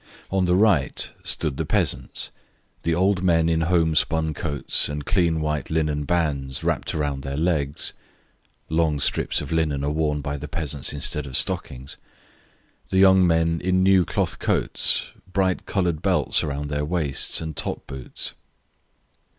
On the right stood the peasants; the old men in home spun coats, and clean white linen bands [long strips of linen are worn by the peasants instead of stockings] wrapped round their legs, the young men in new cloth coats, bright coloured belts round their waists, and top boots.